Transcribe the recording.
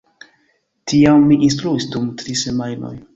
Tiam mi instruis dum tri semajnoj.